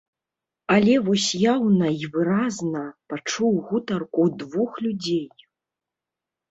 Але вось яўна і выразна пачуў гутарку двух людзей.